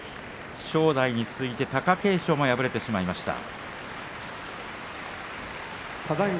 正代に続いて貴景勝も敗れてしまいました。